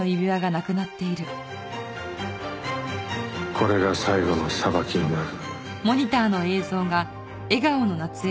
これが最後の裁きになる。